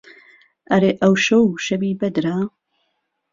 ئهرێ ئهو شهو شهوی بهدره